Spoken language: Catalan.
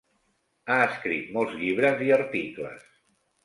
Ha escrit molts llibres i articles.